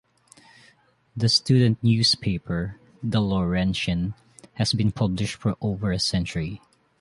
The student newspaper, "The Lawrentian", has been published for over a century.